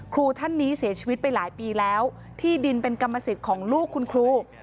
ครูท่านนี้เสียชีวิตไปหลายปีแล้วที่ดินเป็นกรรมสิทธิ์ของลูกคุณครู